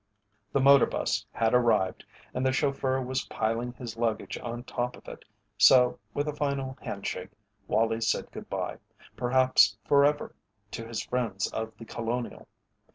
The motor bus had arrived and the chauffeur was piling his luggage on top of it, so, with a final handshake, Wallie said good bye, perhaps forever, to his friends of The Colonial.